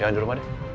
jangan di rumah deh